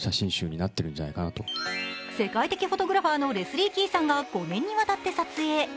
世界的フォトグラファーのレスリー・キーさんが５年にわたって撮影。